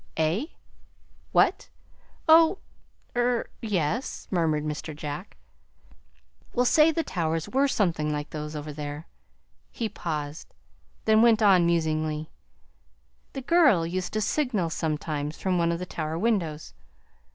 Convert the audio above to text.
"Eh? What? Oh er yes," murmured Mr. Jack. "We'll say the towers were something like those over there." He paused, then went on musingly: "The girl used to signal, sometimes, from one of the tower windows.